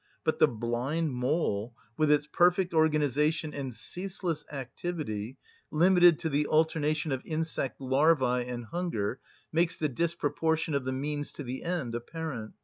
But the blind mole, with its perfect organisation and ceaseless activity, limited to the alternation of insect larvæ and hunger, makes the disproportion of the means to the end apparent.